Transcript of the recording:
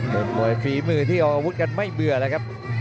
เป็นมวยฝีมือที่เอาอาวุธกันไม่เบื่อแล้วครับ